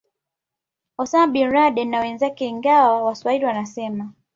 Osama Bin Laden na wenzake ingawa waswahili wanasema